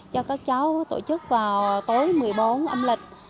cho các cháu tổ chức vào tối một mươi bốn âm lịch